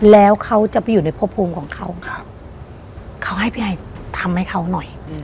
แล้วเขาจะไปอยู่ในพบภูมิของเขาเขาให้พี่ไอทำให้เขาหน่อย